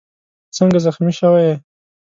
څنګه زخمي شوی یې؟